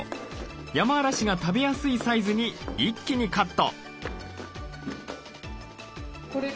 ヤマアラシが食べやすいサイズに一気にカット。